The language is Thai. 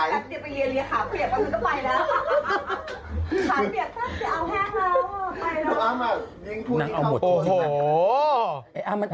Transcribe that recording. คุณอัมอ่ะนิ่งผู้นี้เข้าควรไหมคะโอ้โฮนักเอาหมดค่ะ